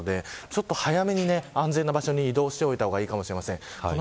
ちょっと早めに安全な場所に移動しておいた方がいいかもしれません。